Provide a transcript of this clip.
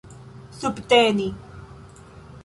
subteni